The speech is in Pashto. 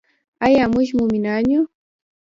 آیا موږ مومنان یو؟